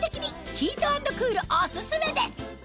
ヒート＆クールオススメです